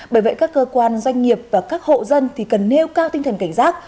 bởi vậy các cơ quan doanh nghiệp và các hộ dân thì cần nêu cao tinh thần cảnh giác